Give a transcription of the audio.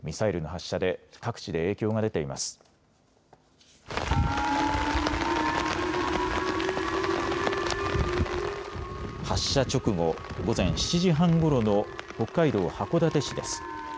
発射直後、午前７時半ごろの北海道函館市です。